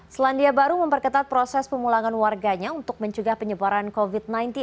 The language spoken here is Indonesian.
selandia baru memperketat proses pemulangan warganya untuk mencegah penyebaran covid sembilan belas